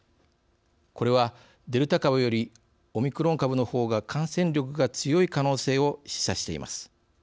これはデルタ株よりオミクロン株のほうが感染力が強い可能性を示唆しています。